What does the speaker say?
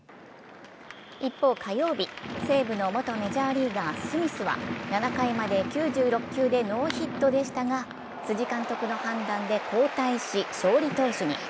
一方、火曜日、西武の元メジャーリーガー・スミスは７回まで９６球でノーヒットでしたが辻監督の判断で交代し、勝利投手に。